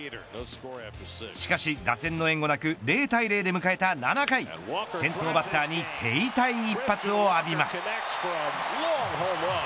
しかし、打線の援護なく０対０で迎えた７回先頭バッターに手痛い一発を浴びます。